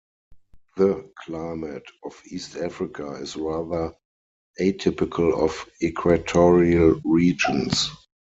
The climate of East Africa is rather atypical of equatorial regions.